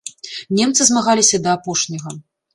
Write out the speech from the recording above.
Немцы змагаліся да апошняга.